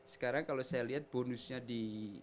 sekarang kalau saya lihat bonusnya di